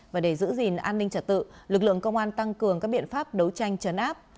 và để giữ gìn an ninh trật tự lực lượng công an tăng cường các biện pháp đấu tranh chấn áp